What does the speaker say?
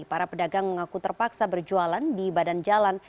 para pedagang mengaku terpaksa berjualan di badan jalan